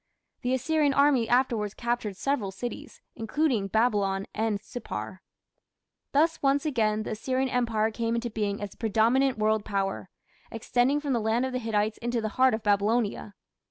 The Assyrian army afterwards captured several cities, including Babylon and Sippar. Thus once again the Assyrian Empire came into being as the predominant world Power, extending from the land of the Hittites into the heart of Babylonia.